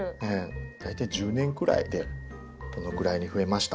大体１０年くらいでこのくらいに増えました。